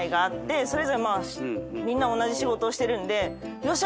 それぞれみんな同じ仕事をしてるんでよっしゃ！